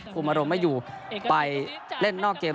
คุมอารมณ์ไม่อยู่ไปเล่นนอกเกม